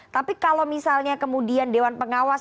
tapi kalau misalnya kemudian dewan pengawas